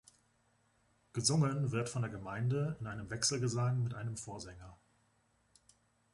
Gesungen wird von der Gemeinde, in einem Wechselgesang mit einem Vorsänger.